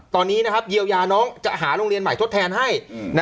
ตอนนี้เยียวยาน้องจะหาโรงเรียนใหม่ทดแทนให้